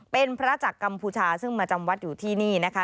เป็นพระจากกัมพูชาซึ่งมาจำวัดอยู่ที่นี่นะคะ